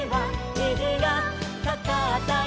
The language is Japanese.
「にじがかかったよ」